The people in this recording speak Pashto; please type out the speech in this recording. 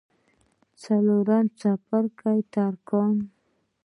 څلورم څپرکی: ترکاڼي